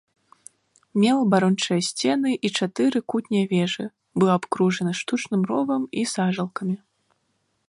Меў абарончыя сцены і чатыры кутнія вежы, быў абкружаны штучным ровам і сажалкамі.